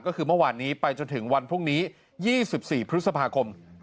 ก็คือเมื่อวานนี้ไปจนถึงวันพรุ่งนี้๒๔พฤษภาคม